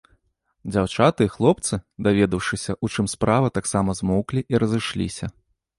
Дзяўчаты і хлопцы, даведаўшыся, у чым справа, таксама змоўклі і разышліся.